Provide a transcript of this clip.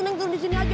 ayo turun di sini aja